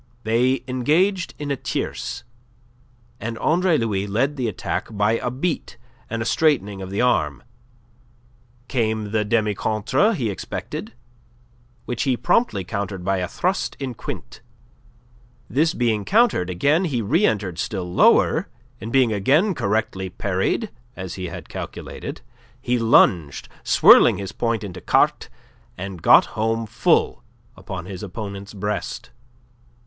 They engaged in tierce, and Andre Louis led the attack by a beat and a straightening of the arm. Came the demi contre he expected, which he promptly countered by a thrust in quinte; this being countered again, he reentered still lower, and being again correctly parried, as he had calculated, he lunged swirling his point into carte, and got home full upon his opponent's breast.